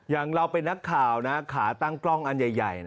อย่างเราเป็นนักข่าวนะขาตั้งกล้องอันใหญ่